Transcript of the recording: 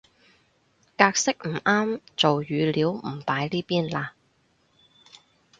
格式唔啱做語料唔擺呢邊嘞